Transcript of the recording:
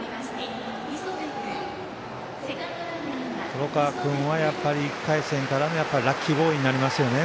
黒川君は１回戦からのラッキーボーイになりますよね